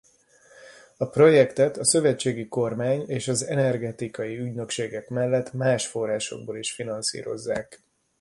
A projektet a szövetségi kormány és energetikai ügynökségek mellett más forrásokból is finanszírozzák.